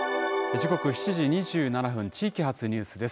時刻７時２７分、地域発ニュースです。